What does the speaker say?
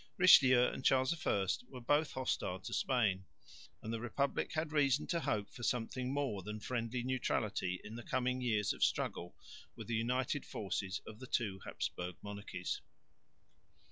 Richelieu and Charles I were both hostile to Spain, and the republic had reason to hope for something more than friendly neutrality in the coming years of struggle with the united forces of the two Habsburg monarchies.